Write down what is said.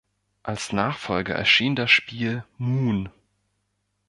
Als Nachfolger erschien das Spiel "Moon.